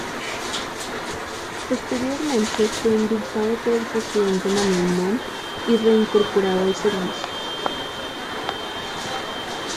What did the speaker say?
Posteriormente fue indultado por el presidente Manuel Montt y reincorporado al servicio.